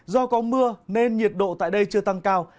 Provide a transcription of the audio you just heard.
do có mưa nên nhiệt độ tại đây chưa tăng cao